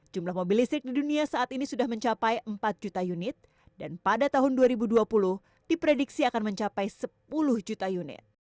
jumlah mobil listrik di dunia saat ini sudah mencapai empat juta unit dan pada tahun dua ribu dua puluh diprediksi akan mencapai sepuluh juta unit